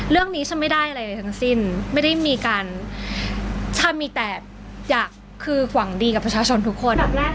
เรื่องนี้ฉันไม่ได้อะไรทั้งสิ้นไม่ได้มีการถ้ามีแต่อยากคือหวังดีกับประชาชนทุกคน